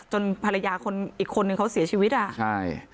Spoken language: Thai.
ภรรยาคนอีกคนนึงเขาเสียชีวิตอ่ะใช่